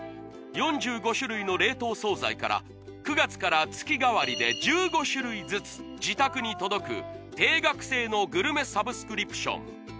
４５種類の冷凍惣菜から９月から月替わりで１５種類ずつ自宅に届く定額制のグルメサブスクリプション